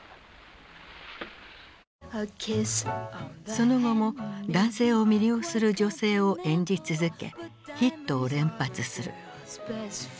その後も男性を魅了する女性を演じ続けヒットを連発する。